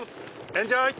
エンジョイ！